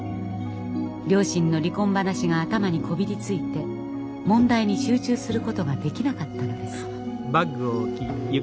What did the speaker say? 両親の離婚話が頭にこびりついて問題に集中することができなかったのです。